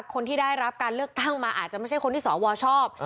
คนที่ได้รับการเลือกตั้งมาอาจจะไม่ใช่คนที่สวชอบ